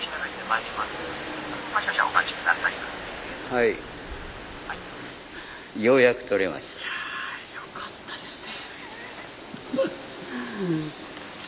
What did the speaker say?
いやよかったですね。